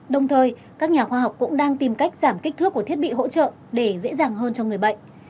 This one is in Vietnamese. đồng thời các nhà khoa học cũng đang tìm cách giảm kích thước của thiết bị hỗ trợ để dễ dàng hơn cho người bệnh